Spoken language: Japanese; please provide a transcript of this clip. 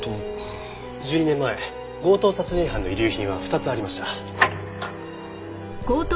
１２年前強盗殺人犯の遺留品は２つありました。